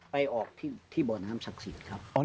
ไปออกที่บ่อน้ำศักดิ์สิทธิ์ครับ